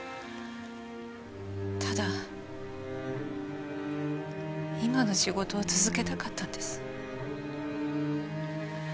ただ今の仕事を続けたかったんです。